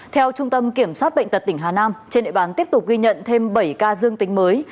theo trung tâm kiểm soát bệnh tật tỉnh hà nam trên địa bàn tiếp tục ghi nhận thêm bảy ca dương tính mới